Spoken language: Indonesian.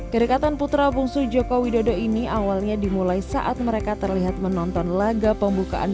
kedekatan putra bungsu joko widodo ini awalnya dimulai saat mereka terlihat menonton laga pembukaan